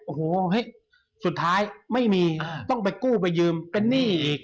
โอ้โหสุดท้ายไม่มีต้องไปกู้ไปยืมเป็นหนี้อีก